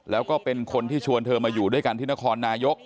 แล้วก็เป็นคนที่ชวนเธอมาอยู่ด้วยกันที่นครนายก